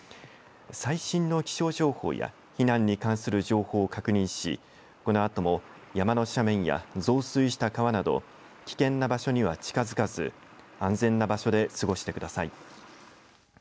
最新の気象情報や避難に関する情報を確認しこのあとも山の斜面や増水した川など危険な場所には近づかず安全な場所で過ごしてください。